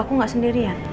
aku gak sendirian